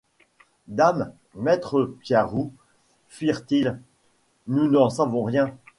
Dam, maître Piarou, firent ils, nous n'en savons rien.